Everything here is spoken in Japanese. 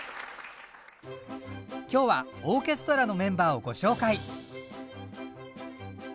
今日はオーケストラのメンバーをご紹介。